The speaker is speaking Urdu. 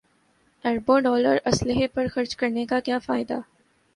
اربوں ڈالر اسلحے پر خرچ کرنے کا کیا فائدہ